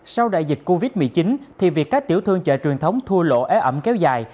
sau đại dịch covid một mươi chín thì việc các tiểu thương chợ truyền thống thua lỗ ế ẩm kéo dài